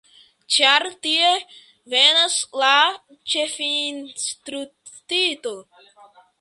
Ĉar tie venas la ĉefinstruisto.